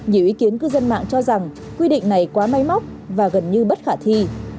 nhiều ý kiến cư dân mạng cho rằng quy định này quá máy móc và gần như bất khả thi